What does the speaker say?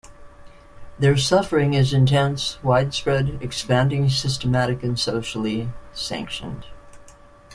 Their suffering is intense, widespread, expanding, systematic and socially sanctioned.